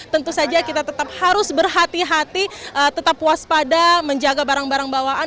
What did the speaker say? tentu saja kita tetap harus berhati hati tetap puas pada menjaga barang barang bawaan